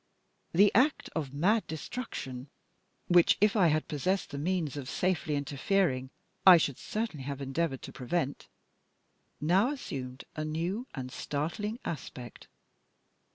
The act of mad destruction which, if I had possessed the means of safely interfering, I should certainly have endeavored to prevent, now assumed a new and startling aspect.